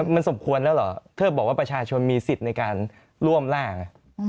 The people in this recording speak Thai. มันสมควรแล้วเหรอถ้าบอกว่าประชาชนมีสิทธิ์ในการร่วมร่าง